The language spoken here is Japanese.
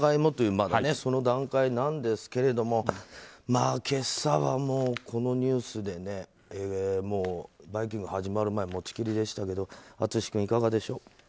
まだその段階なんですが今朝はこのニュースで「バイキング」始まる前もちきりでしたけど淳君、いかがでしょう。